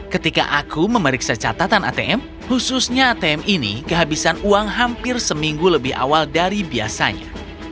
ketika aku memeriksa catatan atm khususnya atm ini kehabisan uang hampir seminggu lebih awal dari biasanya